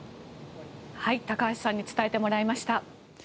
高橋さんに伝えてもらいました。